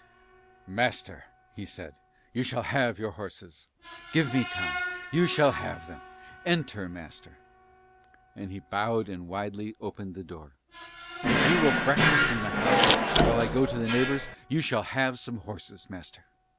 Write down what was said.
"Master," he said, "you shall have your horses. Give me time: you shall have them. Enter, master." And he bowed and widely opened the door. "If you will breakfast in my house while I go to the neighbours you shall have some horses, master."